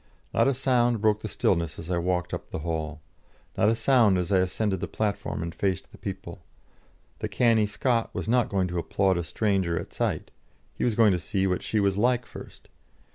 Not a sound broke the stillness as I walked up the hall; not a sound as I ascended the platform and faced the people; the canny Scot was not going to applaud a stranger at sight; he was going to see what she was like first.